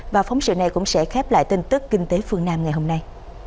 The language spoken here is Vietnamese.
và phóng sự này cũng sẽ khép lại tin tức kinh tế phương nam ngày hôm nay